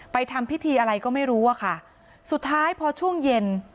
ทำพิธีอะไรก็ไม่รู้อะค่ะสุดท้ายพอช่วงเย็น